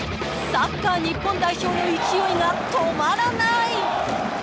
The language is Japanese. サッカー日本代表の勢いが止まらない！